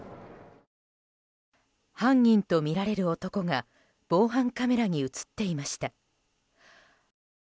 犯人とみられる男が防犯カメラに映っていました。